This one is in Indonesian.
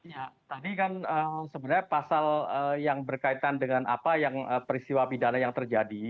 ya tadi kan sebenarnya pasal yang berkaitan dengan apa yang peristiwa pidana yang terjadi